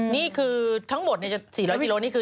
นี่คือทั้งหมด๔๐๐กิโลนี่คือ